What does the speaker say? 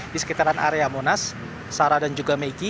di sekitaran area monas sara dan juga megi